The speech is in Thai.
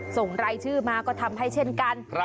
ส่งรายชื่อมาก็ทำให้เช่นกัน